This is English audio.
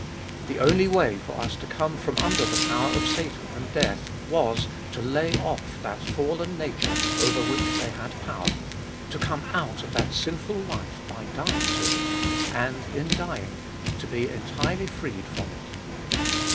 The only way for us to come from under the power of Satan and death was, to lay off that fallen nature over which they had power, to come out of that sinful life by dying to it, and, in dying, to be entirely freed from it.